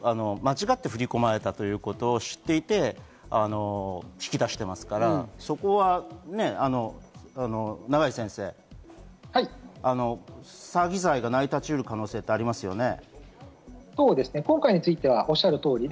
というのも、間違って振り込まれたということを知っていて引き出していますから、そこは長井先生、詐欺罪が成り立ちうる可能性はありますよね。